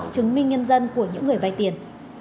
chứng minh nhân dân của những người vai tiền